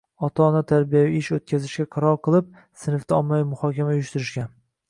Ota-ona tarbiyaviy ish o‘tkazishga qaror qilib, sinfda ommaviy muhokama uyushtirishgan.